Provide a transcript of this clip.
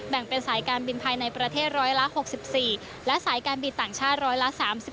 แบ่งเป็นสายการบินภายในประเทศร้อยละ๖๔และสายการบินต่างชาติร้อยละ๓๔